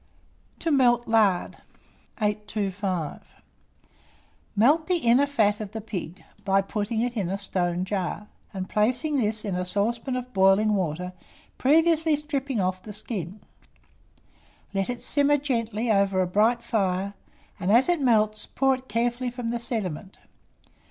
TO MELT LARD. 825. Melt the inner fat of the pig, by putting it in a stone jar, and placing this in a saucepan of boiling water, previously stripping off the skin. Let it simmer gently over a bright fire, and as it melts, pour it carefully from the sediment.